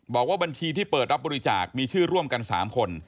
บอกว่าบัญชีที่เปิดรับบริจาคมีชื่อร่วมกัน๓คน